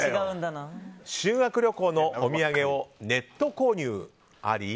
修学旅行のお土産をネットで購入あり？